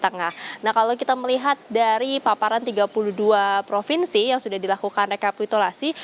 nah kalau kita melihat dari paparan tiga puluh dua provinsi yang sudah dilakukan rekapitulasi